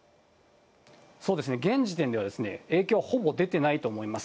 そうですね、現時点では、影響はほぼ出てないと思います。